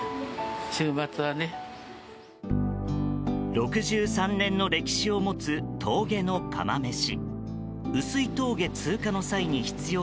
６３年の歴史を持つ峠の釜めし。